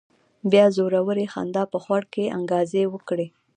بيا زورورې خندا په خوړ کې انګازې وکړې.